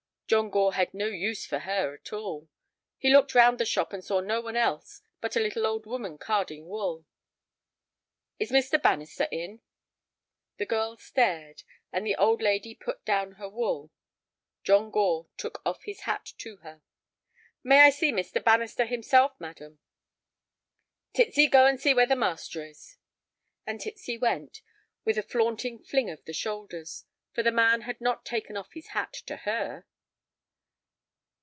John Gore had no use for her at all. He looked round the shop and saw no one else but a little old woman carding wool. "Is Mr. Bannister in?" The girl stared, and the old lady put down her wool. John Gore took off his hat to her. "May I see Mr. Bannister himself, madam?" "Titsy, go and see where the master is." And Titsy went, with a flaunting fling of the shoulders, for the man had not taken off his hat to her.